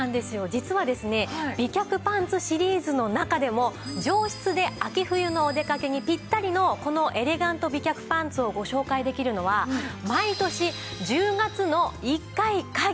実はですね美脚パンツシリーズの中でも上質で秋冬のお出かけにピッタリのこのエレガント美脚パンツをご紹介できるのは毎年１０月の１回限りなんです。